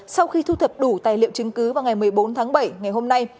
sau khi thu thập đủ tài liệu chứng cứ vào ngày một mươi bốn tháng bảy ngày hôm nay